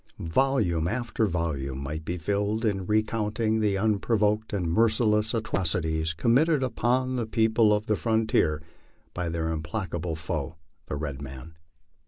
Volume after volume might be filled in recounting the unprovoked and merciless atrocities committed upon the people of the frontier by their implacable foe, the red man.